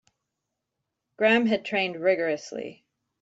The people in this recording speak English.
Graham had trained rigourously.